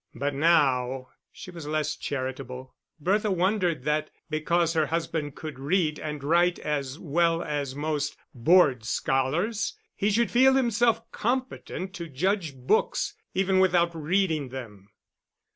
But now she was less charitable. Bertha wondered that because her husband could read and write as well as most board scholars, he should feel himself competent to judge books even without reading them.